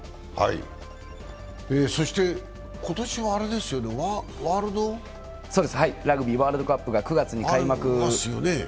そして今年はワールドカップラグビーワールドカップが９月に開幕なので。